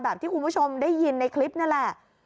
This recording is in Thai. ที่คุณผู้ชมได้ยินในคลิปนั่นแหละ